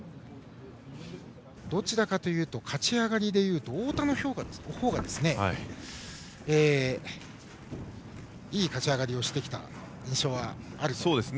どちらかというと勝ち上がりでいうと太田の評価のほうがいい勝ち上がりをしてきた印象はあるんですが。